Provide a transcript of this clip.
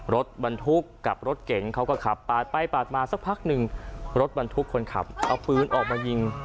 รถบรรทุกกับรถเก่งเขาก็ขับปาดไปปาดมาสักพักหนึ่งรถบรรทุกคนขับเอาปืนออกมายิง